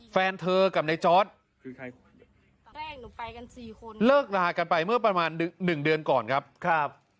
แฟนเธอกับนายจอสเลิกรหากันไปเมื่อประมาณหนึ่งเดือนก่อนครับครับ